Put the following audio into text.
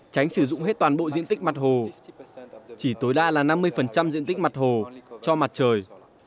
tránh sử dụng hết toàn bộ diện tích mặt hồ chỉ tối đa là năm mươi diện tích mặt hồ cho mặt trời